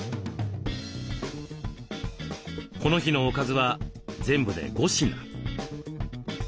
この日のおかずは全部で５品。